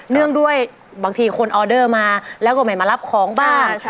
เนื่องด้วยบางทีคนออเดอร์มาแล้วก็ไม่มารับของบ้าง